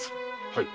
はい。